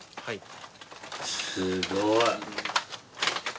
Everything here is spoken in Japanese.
はい。